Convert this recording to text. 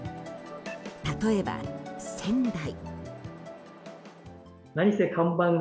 例えば、仙台。